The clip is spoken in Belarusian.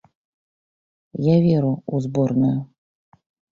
Я веру ў зборную.